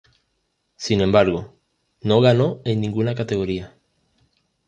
Sin embargo, no ganó en ninguna categoría.